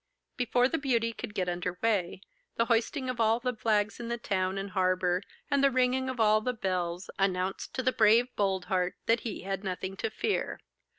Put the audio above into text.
Before 'The Beauty' could get under way, the hoisting of all the flags in the town and harbour, and the ringing of all the bells, announced to the brave Boldheart that he had nothing to fear.